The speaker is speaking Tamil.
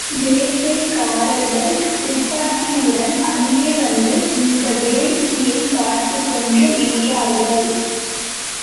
வேட்டைக் காரர்கள் துப்பாக்கியுடன் அங்கே வந்து, இந்த வேடிக்கையைப் பார்த்துக் கொண்டு நின்றார்கள்.